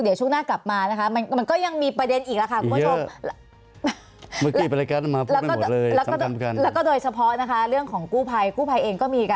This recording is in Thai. ไว้ช่วงหน้ากลับไม่ก็มีประเด็นอีก